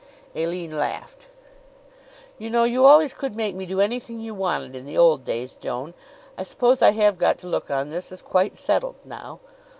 Aline laughed. "You know, you always could make me do anything you wanted in the old days, Joan. I suppose I have got to look on this as quite settled now?"